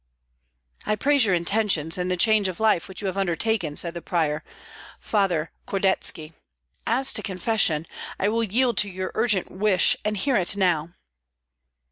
"I praise your intentions and the change of life which you have undertaken," said the prior, Father Kordetski; "as to confession, I will yield to your urgent wish and hear it now."